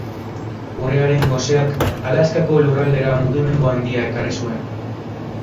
Urrearen goseak Alaskako lurraldera mugimendu handia ekarri zuen.